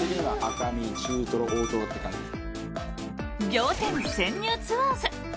「仰天☆潜入ツアーズ！」。